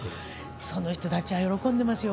その人たちは喜んでいますよ。